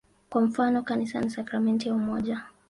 Kwa mfano, "Kanisa ni sakramenti ya umoja".